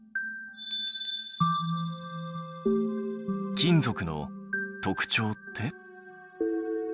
金属の特徴って？